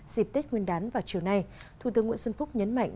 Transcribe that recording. dịp tết nguyên đán vào chiều nay thủ tướng nguyễn xuân phúc nhấn mạnh